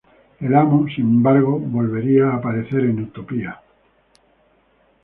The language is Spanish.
El Amo, sin embargo, volvería a aparecer en "Utopía".